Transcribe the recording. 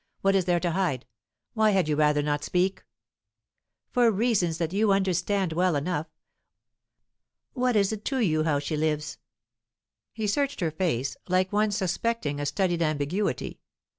"What is there to hide? Why had you rather not speak?" "For reasons that you understand well enough. What is it to you how she lives?" He searched her face, like one suspecting a studied ambiguity.